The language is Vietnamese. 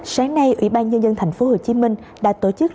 sáng nay ubnd tp hcm đã tổ chức lễ truyền thống